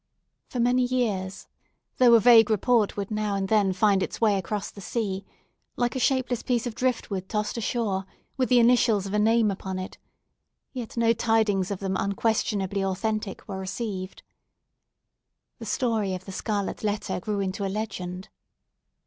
For many years, though a vague report would now and then find its way across the sea—like a shapeless piece of driftwood tossed ashore with the initials of a name upon it—yet no tidings of them unquestionably authentic were received. The story of the scarlet letter grew into a legend.